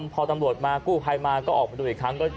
พอตำรวจมากู้ภัยมาก็ออกมาดูอีกครั้ง